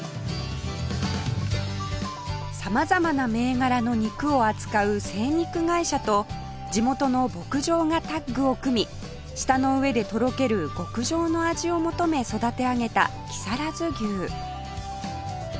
様々な銘柄の肉を扱う精肉会社と地元の牧場がタッグを組み舌の上でとろける極上の味を求め育て上げた木更津牛